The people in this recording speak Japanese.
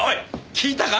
聞いたか？